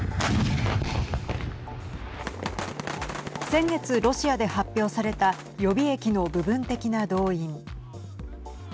先月、ロシアで発表された予備役の部分的な動員。